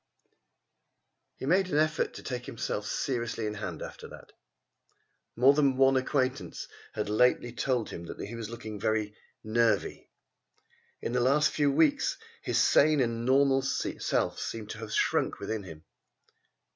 He made an effort to take himself seriously in hand after that. More than one acquaintance had lately told him that he was looking "nervy." In the last few weeks his sane and normal self seemed to have shrunk within him.